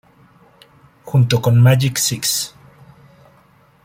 Junto con Magik Six.